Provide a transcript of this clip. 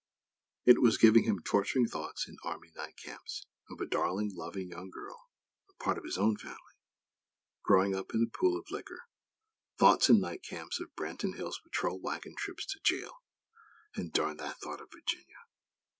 It was giving him torturing thoughts in army night camps, of a darling, loving young girl, a part of his own family, growing up "in a pool of liquor;" thoughts in night camps of Branton Hills' patrol wagon trips to jail; and Darn that thought of Virginia!